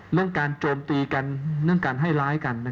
เรื่องการโจมตีกันเรื่องการให้ร้ายกัน